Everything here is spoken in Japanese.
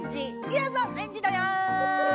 みやぞんエンジだよ！